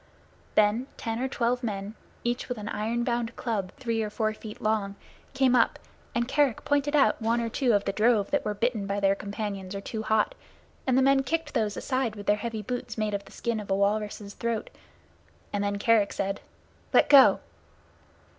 Then ten or twelve men, each with an iron bound club three or four feet long, came up, and Kerick pointed out one or two of the drove that were bitten by their companions or too hot, and the men kicked those aside with their heavy boots made of the skin of a walrus's throat, and then Kerick said, "Let go!"